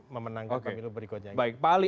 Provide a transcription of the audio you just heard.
memenangkan pemilu berikutnya ini baik pak ali